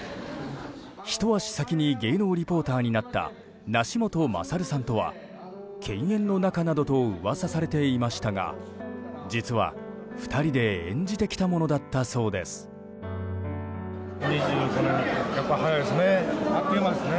ひと足先に芸能リポーターになった梨元勝さんとは犬猿の仲などと噂されていましたが実は、２人で演じてきたものだったそうです。